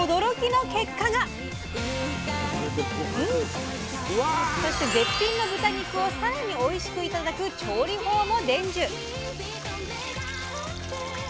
するとそして絶品の豚肉をさらにおいしく頂く調理法も伝授。